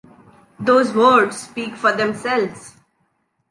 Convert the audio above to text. Those words speak for themselves.